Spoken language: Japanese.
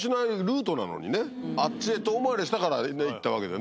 あっちへ遠回りしたからいったわけでね。